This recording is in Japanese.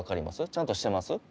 ちゃんとしてます？